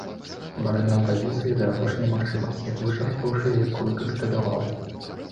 Абараняў пазіцыі да апошняй магчымасці, вычарпаўшы якую капітуляваў.